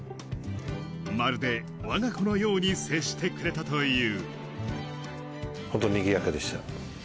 まるで、わが子のように接してくれたという。